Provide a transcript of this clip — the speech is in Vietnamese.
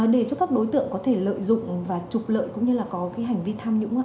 để cho các đối tượng có thể lợi dụng và trục lợi cũng như là có cái hành vi tham nhũng